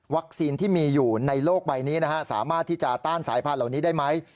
ที่มีอยู่ในโลกใบนี้สามารถที่จะต้านสายพันธุ์เหล่านี้ได้ไหม